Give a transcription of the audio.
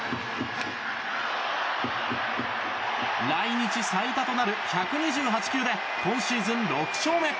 来日最多となる１２８球で今シーズン６勝目！